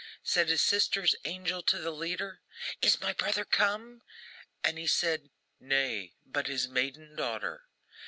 Said his sister's angel to the leader: 'Is my brother come?' And he said, 'Nay, but his maiden daughter.